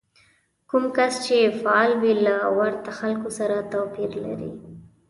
کوم کس چې فعال وي له ورته خلکو سره توپير لري.